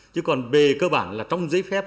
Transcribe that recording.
chứ còn về cơ bản là trong giấy phép